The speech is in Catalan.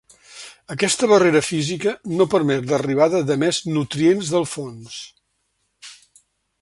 Aquesta barrera física no permet l’arribada de més nutrients del fons.